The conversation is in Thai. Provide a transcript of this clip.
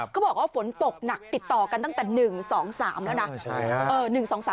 เขาบอกว่าฝนตกหนักติดต่อกันตั้งแต่๑๒๓แล้วนะ